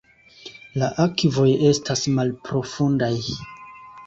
La akvoj estas malprofundaj.